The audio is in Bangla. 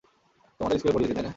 তোমাদের স্কুলে পড়িয়েছি, তাই না?